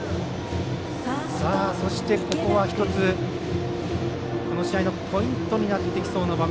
そして、ここは１つこの試合のポイントになってきそうな場面。